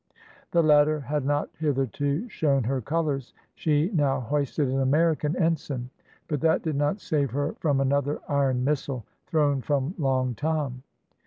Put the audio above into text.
The latter had not hitherto shown her colours; she now hoisted an American ensign, but that did not save her from another iron missile, thrown from Long Tom.